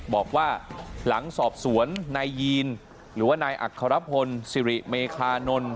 บอกว่าหลังสอบสวนนายยีนหรือว่านายอัครพลสิริเมคานนท์